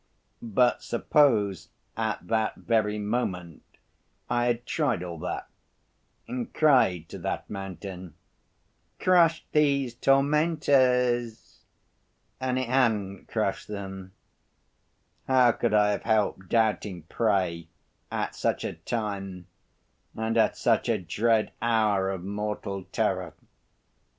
But, suppose at that very moment I had tried all that, and cried to that mountain, 'Crush these tormentors,' and it hadn't crushed them, how could I have helped doubting, pray, at such a time, and at such a dread hour of mortal terror?